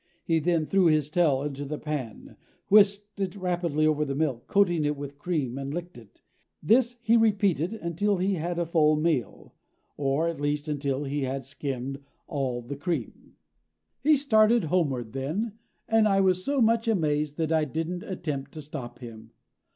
He then threw his tail into the pan, whisked it rapidly over the milk, coating it with cream, and licked it. This he repeated until he had a full meal, or at least until he had skimmed all the cream. He started homeward then, and I was so much amazed that I didn't attempt to stop him.